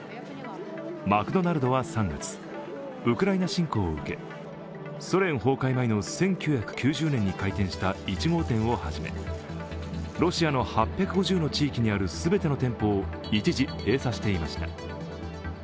マクドナルドは３月ウクライナ侵攻を受けソ連崩壊前の１９９０年に開店した１号店をはじめロシアの８５０の地域にある全ての店舗を一時閉鎖していました。